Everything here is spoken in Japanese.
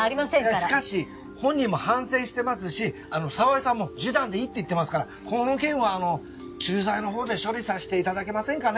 しかし本人も反省してますし沢井さんも示談でいいって言ってますからこの件はあの駐在のほうで処理さしていただけませんかね？